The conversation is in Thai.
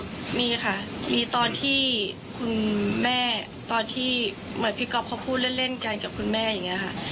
ก็มีค่ะมีตอนที่คุณแม่ตอนที่เหมือนพี่ก๊อฟเขาพูดเล่นกันกับคุณแม่อย่างนี้ค่ะ